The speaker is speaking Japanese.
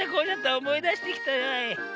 おもいだしてきたわい。